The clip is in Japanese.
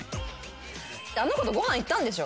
あの子とご飯行ったんでしょ？